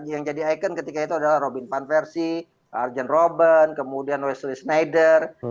yang jadi ikon ketika itu adalah robin van versy arjen robben kemudian wesley sneijder